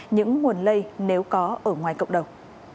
những nguồn lây nếu có ở ngoài cộng đồng